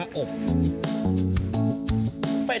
เป็ดกีต้า